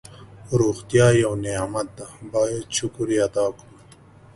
روغتیا یو نعمت ده باید شکر یې ادا کړو.